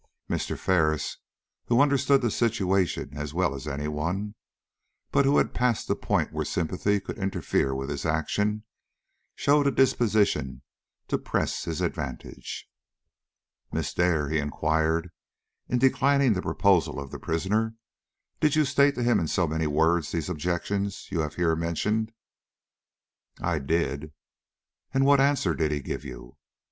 Mr. Ferris, who understood the situation as well as any one, but who had passed the point where sympathy could interfere with his action, showed a disposition to press his advantage. "Miss Dare," he inquired, "in declining the proposals of the prisoner, did you state to him in so many words these objections you have here mentioned?" "I did." "And what answer did he give you?"